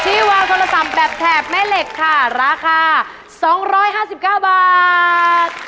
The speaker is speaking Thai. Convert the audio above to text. ที่วางโทรศัพท์แบบแถบแม่เหล็กค่ะราคา๒๕๙บาท